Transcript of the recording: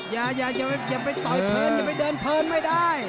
อย่าไปต่อยเพลินอย่าไปเดินเพลินไม่ได้